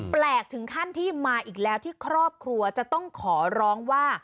ถึงขั้นที่มาอีกแล้วที่ครอบครัวจะต้องขอร้องว่า